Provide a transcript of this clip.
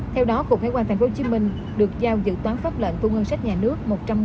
theo đó cục hải quan thành phố hồ chí minh được giao dự toán pháp lệnh thu ngân sách nhà nước